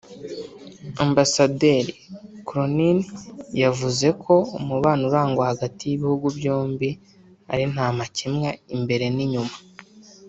Ambasaderi Cronin yavuze ko umubano urangwa hagati y’ibihugu byombi ari nta makemwa imbere n’inyuma